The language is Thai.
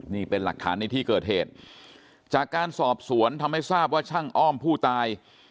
นี่เป็นหลักฐานในที่เกิดเหตุจากการสอบสวนทำให้ทราบว่าช่างอ้อมผู้ตาย